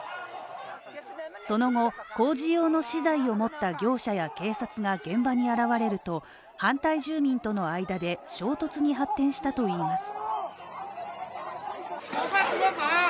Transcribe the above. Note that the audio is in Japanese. その後、工事用の資材を持った業者や警察が現場に現れると、反対住民との間で衝突に発展したといいます。